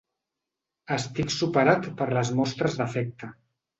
Estic superat per les mostres d'afecte.